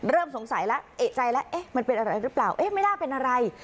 เริ่มสงสัยแล้วเอกใจแล้วมันเป็นอะไรหรือเปล่าไม่น่าเป็นอะไร